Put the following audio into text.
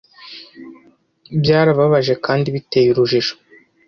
Byarababaje kandi biteye urujijo.